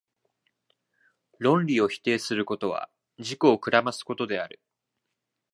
論理を否定することは、自己を暗ますことである。